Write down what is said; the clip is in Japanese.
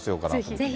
ぜひ。